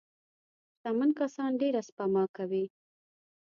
شتمن کسان ډېره سپما کوي.